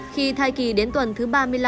khi thai kỳ đến tuần thứ ba mươi năm